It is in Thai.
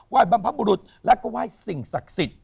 ไหว้บำพะบุรุษและก็ไหว้สิ่งศักดิ์สิทธิ์